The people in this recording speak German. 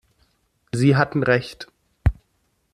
Sie hatten Recht.